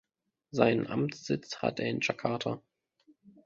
Seinen Amtssitz hat er in Jakarta.